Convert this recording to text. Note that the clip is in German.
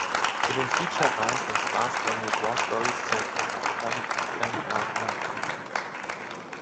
Zu den Feature-Reihen von Star-Spangled War Stories zählten unter anderem "Mlle.